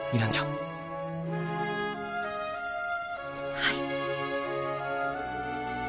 はい。